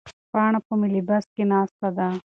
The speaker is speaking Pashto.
پاڼه په ملي بس کې ناسته ده.